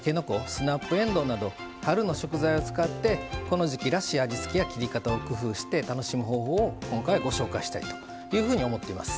スナップえんどうなど春の食材を使ってこの時季らしい味付けや切り方を工夫して楽しむ方法を今回はご紹介したいというふうに思っています。